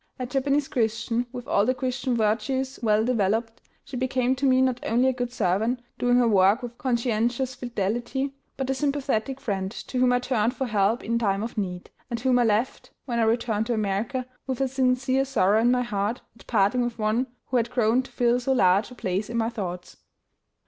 A Japanese Christian, with all the Christian virtues well developed, she became to me not only a good servant, doing her work with conscientious fidelity, but a sympathetic friend, to whom I turned for help in time of need; and whom I left, when I returned to America, with a sincere sorrow in my heart at parting with one who had grown to fill so large a place in my thoughts.